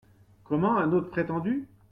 Comment ! un autre prétendu ?…